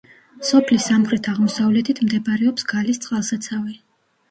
სოფლის სამხრეთ-აღმოსავლეთით მდებარეობს გალის წყალსაცავი.